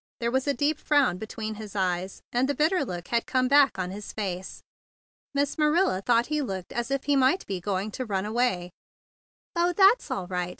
There was a deep frown between his eyes, and the bitter look had come back on his face. Miss Maxilla thought he looked as if he might be going to run away. "Oh, that's all right!"